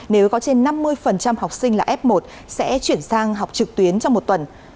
nếu có trên năm mươi học sinh là f một sẽ chuyển sang học trực tuyến trong một tuần